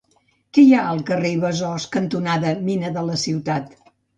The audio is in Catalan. Què hi ha al carrer Besòs cantonada Mina de la Ciutat?